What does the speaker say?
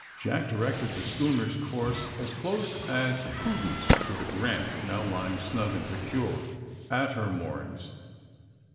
Jack directed the schooner's course as close as was prudent to the ^^ Grant/' now lying snug and secure at her moorings.